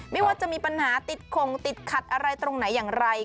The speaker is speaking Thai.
ไม่ว่าจะมีปัญหาติดคงติดขัดอะไรตรงไหนอย่างไร